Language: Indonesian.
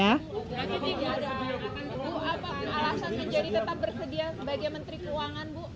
ibu apa alasan menjadi tetap bersedia sebagai menteri keuangan bu